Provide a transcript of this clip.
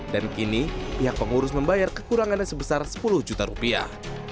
dan kini pihak pengurus membayar kekurangannya sebesar sepuluh juta rupiah